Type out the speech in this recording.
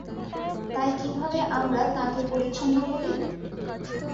তাই কীভাবে আমরা তাঁকে পরিচ্ছন্ন বলি?